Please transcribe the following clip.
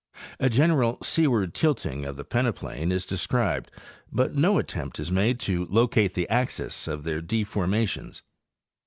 A general seaward tilting of the peneplain is described, but no attempt is made to locate the axes of their deformations.